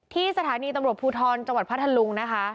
ที่สถานีตำรวจภูทรจังหวัดพัทธลุงนะคะ